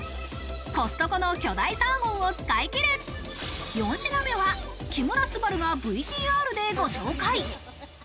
コストコの巨大サーモンを使い切る、４品目は木村昴がＶＴＲでご紹介。